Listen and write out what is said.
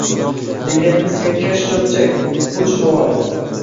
Deganimiz yakkash choʼpchak, puch rivoyat.